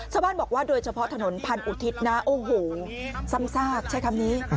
ชาวบ้านบอกว่าโดยเฉพาะถนนพันอุทิศนะโอ้โหซ้ำซากใช้คำนี้